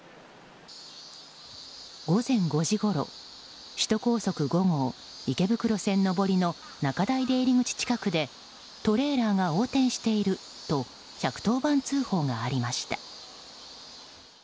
午前５時ごろ首都高速５号池袋線上りの中台出入り口近くでトレーラーが横転していると１１０番通報がありました。